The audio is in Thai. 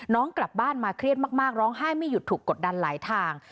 กลับบ้านมาเครียดมากร้องไห้ไม่หยุดถูกกดดันหลายทาง